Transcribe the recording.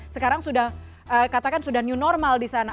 sekarang sudah katakan sudah new normal di sana